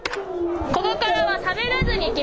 ここからはしゃべらずに行きますよ。